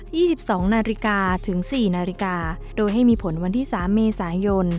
ี่สิบสองนาฬิกาถึงสี่นาฬิกาโดยให้มีผลวันที่สามเมษายน